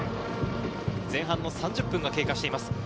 前半の３０分が経過しています。